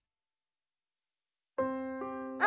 「あ！」